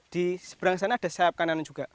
di seberang sana ada sayap kanan juga